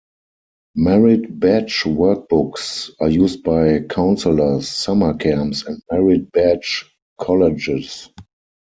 Merit badge workbooks are used by counselors, summer camps, and merit badge colleges.